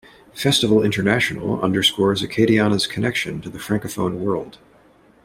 Festival International underscores Acadiana's connection to the Francophone world.